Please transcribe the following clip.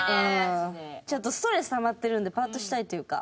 ちょっとストレスたまってるんでパーッとしたいっていうか。